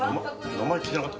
名前聞いてなかった。